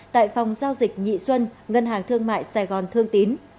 tại phòng giao dịch nhị xuân ngân hàng thương mại sài gòn thương tín